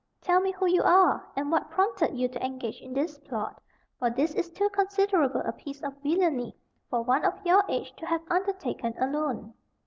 Tell me who you are, and what prompted you to engage in this plot, for this is too considerable a piece of villany for one of your age to have undertaken alone."